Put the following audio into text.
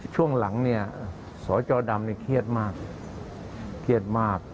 ช่วงหลังเนี่ยสจดำเนี่ยเครียดมาก